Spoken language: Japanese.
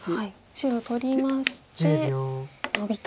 白取りましてノビと。